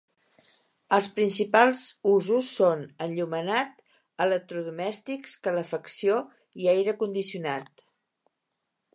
Els principals usos són enllumenat, electrodomèstics, calefacció i aire condicionat.